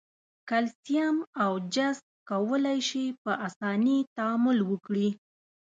کلسیم او جست کولای شي په آساني تعامل وکړي.